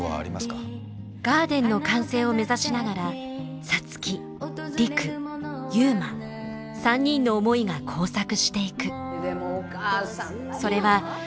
ガーデンの完成を目指しながら皐月陸悠磨３人の思いが交錯していく。